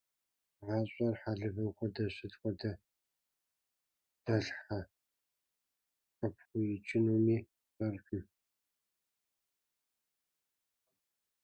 Гъащӏэр хьэлывэм хуэдэщ – сыт хуэдэ дэлъхьэ къыпхуикӏынуми пщӏэркъым.